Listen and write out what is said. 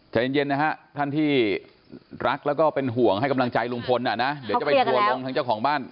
ใจเย็นนะฮะท่านที่รักแล้วก็เป็นห่วงให้กำลังใจลุงพลนะเดี๋ยวจะไปทัวร์ลงทางเจ้าของบ้าน